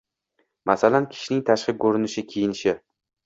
Masalan, kishining tashqi ko‘rinishi, kiyinishi